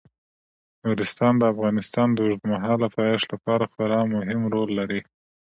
نورستان د افغانستان د اوږدمهاله پایښت لپاره خورا مهم رول لري.